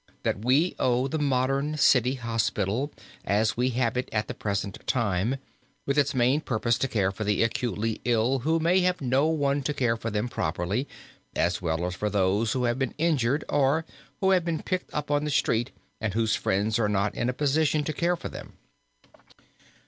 that we owe the modern city hospital as we have it at the present time, with its main purpose to care for the acutely ill who may have no one to take care of them properly, as well as for those who have been injured or who have been picked up on the street and whose friends are not in a position to care for them.